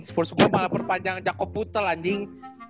spurs gue malah perpanjang jakob putel anjing